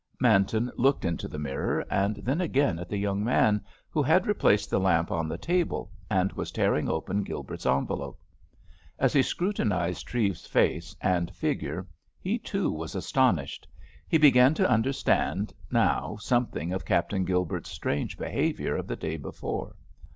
Manton looked into the mirror, and then again at the young man, who had replaced the lamp on the table, and was tearing open Gilbert's envelope. As he scrutinised Treves's face and figure he, too, was astonished. He began to understand now something of Captain Gilbert's strange behaviour of the day before.